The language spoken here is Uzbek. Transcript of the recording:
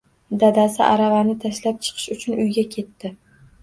Dadasi aravani tashlab chiqish uchun uyga ketdi.